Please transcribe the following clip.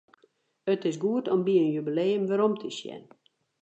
It is goed om by in jubileum werom te sjen.